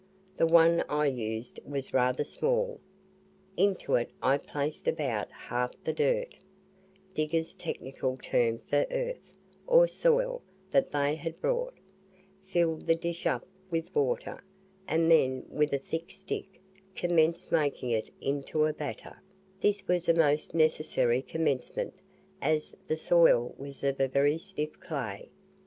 The one I used was rather smaller. Into it I placed about half the "dirt" digger's technical term for earth, or soil that they had brought, filled the dish up with water, and then with a thick stick commenced making it into a batter; this was a most necessary commencement, as the soil was of a very stiff clay.